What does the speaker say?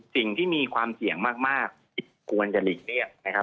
สิ่งที่มีความเสี่ยงมากที่ควรจะหลีกเลี่ยงนะครับ